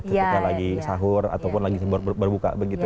ketika lagi sahur ataupun lagi berbuka begitu ya